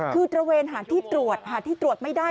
คือตระเวนหาที่ตรวจหาที่ตรวจไม่ได้